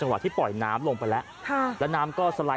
เฮ้ยเฮ้ยเฮ้ย